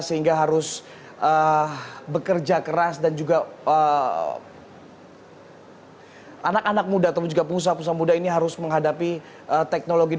sehingga harus bekerja keras dan juga anak anak muda atau juga pengusaha pengusaha muda ini harus menghadapi teknologi